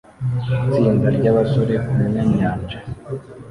Itsinda ryabasore kumyanyanja